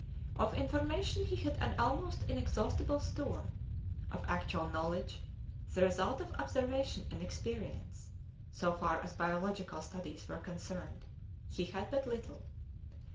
Of information he had an almost inexhaustible store; of actual knowledge, the result of observation and experience, so far as biological studies were concerned, he had but little.